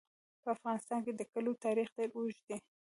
په افغانستان کې د کلیو تاریخ ډېر اوږد دی.